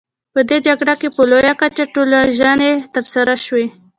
په دې جګړه کې په لویه کچه ټولوژنې ترسره شوې.